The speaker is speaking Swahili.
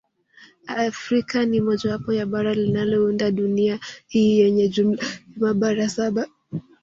Afrika ni mojawapo ya bara linalounda dunia hii yenye jumla ya mabara saba